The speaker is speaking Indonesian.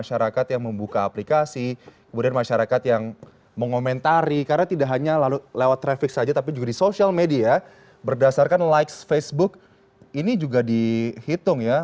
masyarakat yang membuka aplikasi kemudian masyarakat yang mengomentari karena tidak hanya lewat traffic saja tapi juga di social media berdasarkan likes facebook ini juga dihitung ya